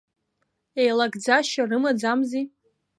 Еилагӡашьа рымаӡамзи?